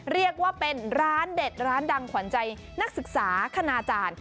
เรียกว่าเป็นร้านเด็ดร้านดังขวัญใจนักศึกษาคณาจารย์